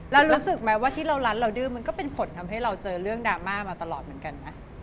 รู้สึกไหมว่าที่เรารัดเราดื้อมันก็เป็นผลทำให้เราเจอเรื่องดราม่ามาตลอดเหมือนกันนะ